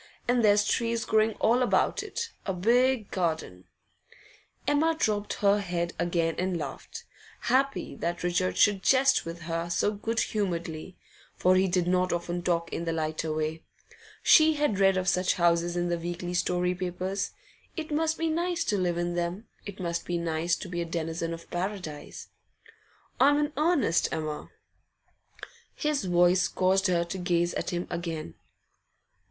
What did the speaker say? And there's trees growing all about it; a big garden ' Emma dropped her head again and laughed, happy that Richard should jest with her so good humouredly; for he did not often talk in the lighter way. She had read of such houses in the weekly story papers. It must be nice to live in them; it must be nice to be a denizen of Paradise. 'I'm in earnest, Emma.' His voice caused her to gaze at him again.